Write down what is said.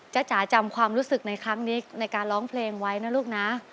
จ๋าจำความรู้สึกในครั้งนี้ในการร้องเพลงไว้นะลูกนะ